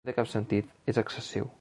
No té cap sentit, és excessiu.